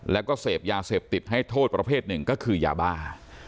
แล้วก็เสพยาเสพติดให้โทษประเภทหนึ่งก็คือยาบ้า